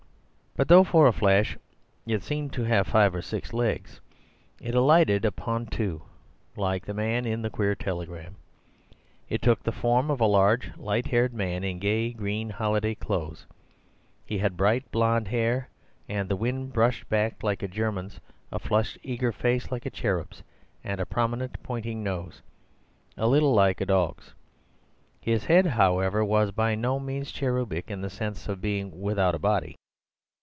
But though for a flash it seemed to have five or six legs, it alighted upon two, like the man in the queer telegram. It took the form of a large light haired man in gay green holiday clothes. He had bright blonde hair that the wind brushed back like a German's, a flushed eager face like a cherub's, and a prominent pointing nose, a little like a dog's. His head, however, was by no means cherubic in the sense of being without a body.